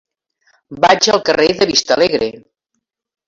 Vaig al carrer de Vistalegre.